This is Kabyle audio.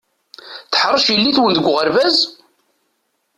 Teḥṛec yelli-twen deg uɣerbaz?